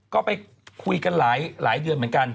ก็ไปคุยกันหลายเดือนเหมือนกัน